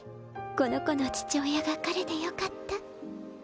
この子の父親が彼でよかった。